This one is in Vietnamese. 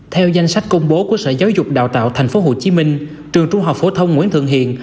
theo danh sách công bố của sở giáo dục đào tạo tp hcm trường trung học phổ thông nguyễn thượng hiền